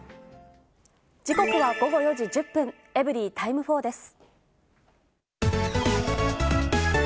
時刻は午後４時１０分、エブリィタイム４です。